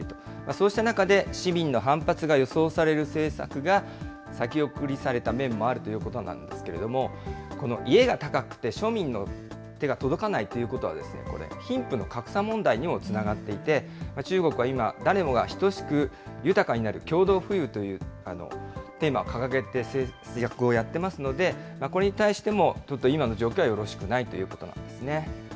そうした中で、市民の反発が予想される政策が、先送りされた面もあるということなんですけれども、この家が高くて、庶民の手が届かないということは、これ、貧富の格差問題にもつながっていて、中国は今、誰もが等しく豊かになる共同富裕というテーマを掲げて政策をやってますので、これに対しても、ちょっと今の状況はよろしくないということなんですね。